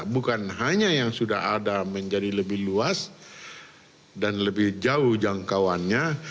bukan hanya yang sudah ada menjadi lebih luas dan lebih jauh jangkauannya